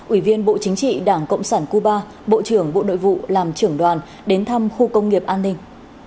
ủy viên bộ chính trị đảng cộng sản cuba bộ trưởng bộ nội vụ làm trưởng đoàn đến thăm khu công nghiệp an ninh